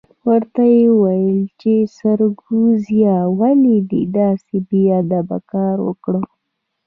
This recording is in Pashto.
ورته ویې ویل چې سرکوزیه ولې دې داسې بې ادبه کار وکړ؟